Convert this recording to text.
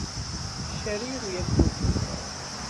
شری روی کوه ایستاد.